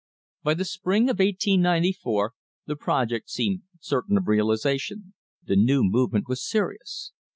By the spring of 1894 the project seemed certain of realisation. The new movement was serious.